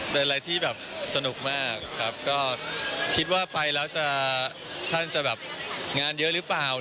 เป็นอะไรที่แบบสนุกมากครับก็คิดว่าไปแล้วจะท่านจะแบบงานเยอะหรือเปล่า